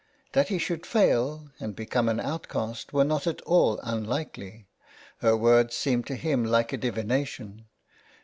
That he should fail and become an outcast were not at all unlikely. Her words seemed to him like a divina tion